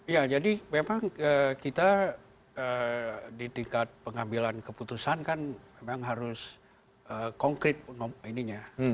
ya jadi memang kita di tingkat pengambilan keputusan kan memang harus konkret ininya